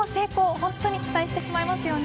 本当に期待してしまいますよね。